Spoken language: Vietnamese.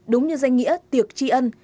đúng như danh nghĩa tiệc tri ân